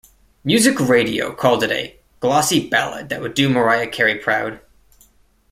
Music Radio called it a "glossy ballad that would do Mariah Carey proud".